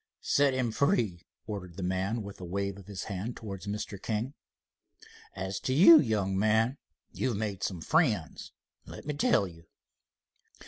"Set him free," ordered the man with a wave of his hand towards Mr. King. "As to you, young man, you've made some friends, let me tell you."